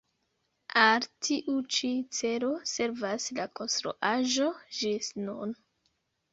Al tiu ĉi celo servas la konstruaĵo ĝis nun.